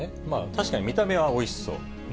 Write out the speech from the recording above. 確かに見た目はおいしそう。